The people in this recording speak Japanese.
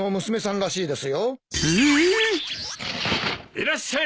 いらっしゃい。